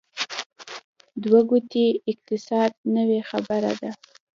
دوه ګونی اقتصاد نوې خبره ده.